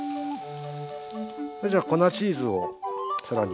それじゃ粉チーズを更に。